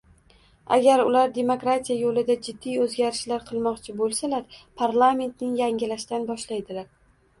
Agar ular demokratiya yo'lida jiddiy o'zgarishlar qilmoqchi bo'lsalar, parlamentni yangilashdan boshlaydilar